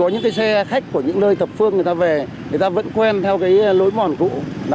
những cái khách của những nơi thập phương người ta về người ta vẫn quen theo cái lối mòn cũ là